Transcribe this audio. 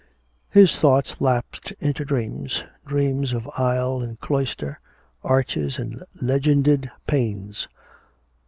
His thoughts lapsed into dreams dreams of aisle and cloister, arches and legended panes.